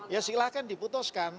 ya silahkan diputuskan